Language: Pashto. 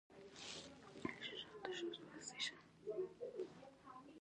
چې په پاخه او اساسي ډول جوړه شوې،